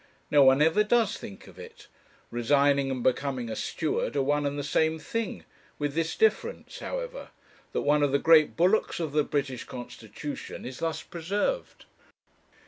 No one ever does think of it; resigning and becoming a steward are one and the same thing, with this difference, however, that one of the grand bulwarks of the British constitution is thus preserved.